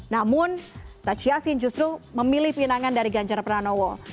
namun tachiasin justru memilih pinangan dari ganjar pranowo